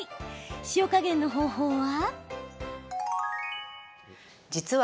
塩加減の方法は？